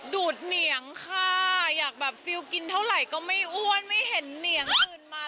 ดูดเหนียงค่ะอยากแบบฟิลกินเท่าไหร่ก็ไม่อ้วนไม่เห็นเหนียงอื่นมา